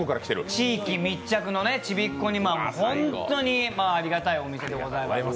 地域密着のちびっこに本当にありがたいお店です。